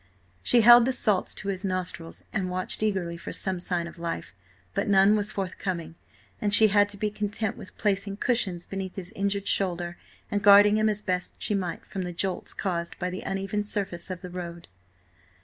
She held the salts to his nostrils and watched eagerly for some sign of life. But none was forthcoming, and she had to be content with placing cushions beneath his injured shoulder, and guarding him as best she might from the jolts caused by the uneven surface of the road.